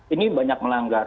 ini banyak melanggar